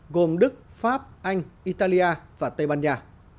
gồm đức pháp anh italia và tây ban nha